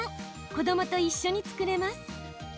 子どもと一緒に作れます。